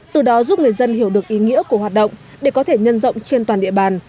từ đó giúp người dân hiểu được ý nghĩa của hoạt động để có thể nhân rộng trên toàn địa bàn